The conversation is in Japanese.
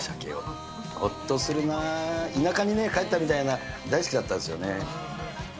ほっとするな、田舎にね、帰ったみたいな、大好きだったですよね。